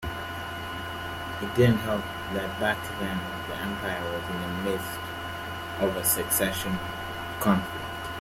It didn't help that back then the empire was in the midst of a succession conflict.